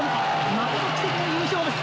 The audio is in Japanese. まこと奇跡の優勝です。